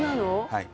はい。